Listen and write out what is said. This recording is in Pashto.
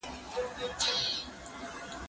کېدای سي زه سبا درس ولولم؟